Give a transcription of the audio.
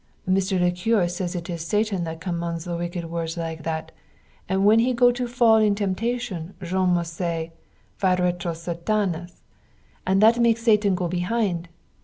Mr. le Curé say it is Satan that commands the wicked words like that, and when he go to fall in temptation Jean must say, "Vade retro Satanas," and that make Satan go behind.